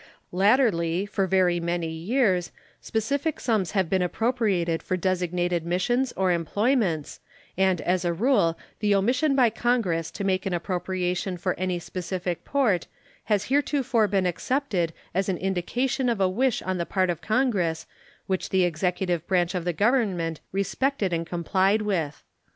Latterly, for very many years, specific sums have been appropriated for designated missions or employments, and as a rule the omission by Congress to make an appropriation for any specific port has heretofore been accepted as an indication of a wish on the part of Congress which the executive branch of the Government respected and complied with.